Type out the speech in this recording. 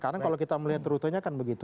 karena kalau kita melihat rutenya kan begitu